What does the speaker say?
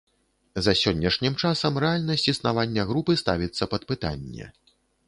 За сённяшнім часам рэальнасць існавання групы ставіцца пад пытанне.